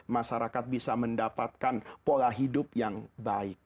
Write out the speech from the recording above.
masyarakat bisa mendapatkan pola hidup yang baik